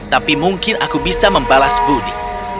tapi mungkin aku bisa membalas budi